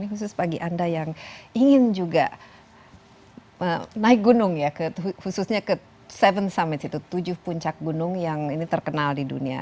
khusus bagi anda yang ingin juga naik gunung ya khususnya ke tujuh summit itu tujuh puncak gunung yang ini terkenal di dunia